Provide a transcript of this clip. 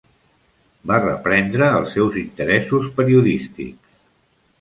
Va reprendre els seus interessos periodístics.